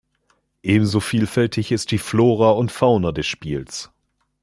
Ebenso vielfältig ist die Flora und Fauna des Spiels.